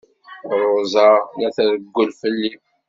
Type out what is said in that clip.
Ṛuza la trewwel fell-i.